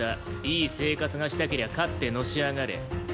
いい生活がしたけりゃ勝ってのし上がれ。